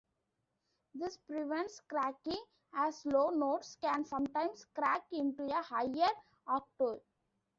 This prevents cracking, as low notes can sometimes crack into a higher octave.